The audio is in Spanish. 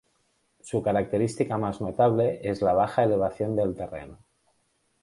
Su característica más notable es la baja elevación del terreno.